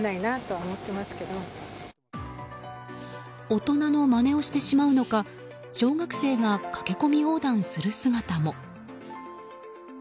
大人のまねをしてしまうのか小学生が駆け込み横断する姿も。